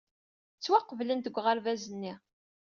Ttwaqeblent deg uɣerbaz-nni.